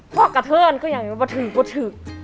พละกระเทินอยากเห็นว่าปะถึอกปะถึก